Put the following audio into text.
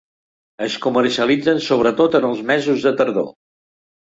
Es comercialitzen sobretot en els mesos de tardor.